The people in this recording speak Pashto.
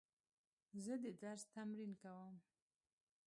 زه د درس تمرین کوم.